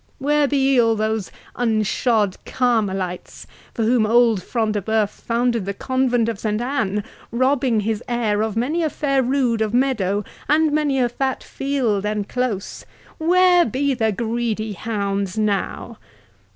—where be all those unshod Carmelites, for whom old Front de Bœuf founded the convent of St Anne, robbing his heir of many a fair rood of meadow, and many a fat field and close—where be the greedy hounds now?